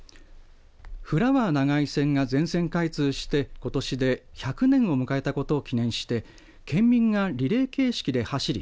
フラワー長井線が全線開通してことしで１００年を迎えたことを記念して県民がリレー形式で走り